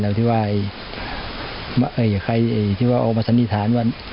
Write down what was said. แล้วที่ว่าใครที่ว่าออกมาสันนิษฐานว่า